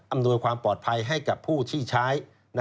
หน่วยความปลอดภัยให้กับผู้ที่ใช้